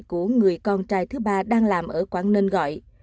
của người con trai thứ ba đang làm ở quảng ninh gọi